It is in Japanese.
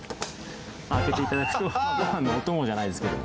開けていただくとご飯のお供じゃないですけども。